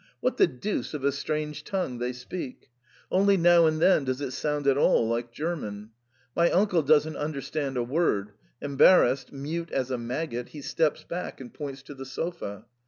What the deuce of a strange tongue they speak ! Only now and then does it sound at all like German. My uncle doesn't understand a word ; embarrassed, mute as a maggot, he steps back and points to the sofa.